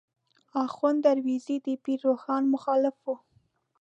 آخوند دروېزه د پیر روښان مخالف و.